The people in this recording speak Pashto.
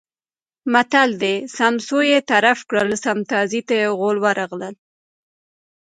متل دی: سم سوی طرف کړل سم تازي ته غول ورغلل.